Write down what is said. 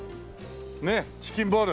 ねえキチンボール。